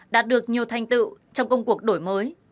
đạt được nhiều thành tựu trong công cuộc đổi mới